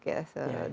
di subak ini